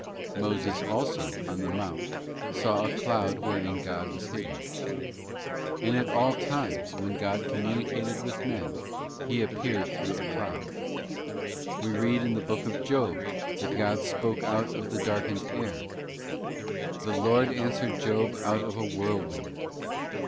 '* Moses also, on the mount, saw a cloud wherein God was hidden.t And at all times, when God communicated with men, He appeared through a cloud. ~ We read in the Book of Job, that God spoke out of the darkened air: 'The Lord answered Job out of a whirl wind.